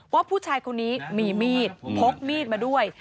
ว่าผู้ชายคนนี้มีมีดพกมีดมาด้วย